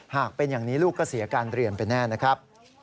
หากเป็นอย่างนี้ลูกก็เสียการเรียนไปแน่นะครับ